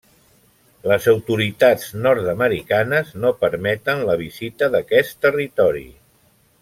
Les autoritats nord-americanes no permeten la visita d'aquest territori.